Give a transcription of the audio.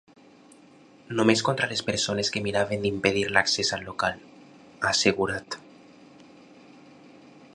Només contra les persones que miraven d’impedir l’accés al local, ha assegurat.